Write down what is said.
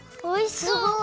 おいしそう！